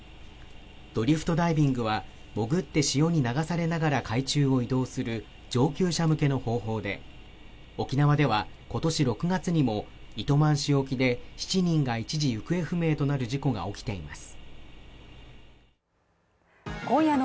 ドリフトダイビングは潜って潮に流されながら海中を移動する上級者向けの方法で、沖縄では今年６月にも糸満市沖で７人が一時行方不明となる事故が起きています。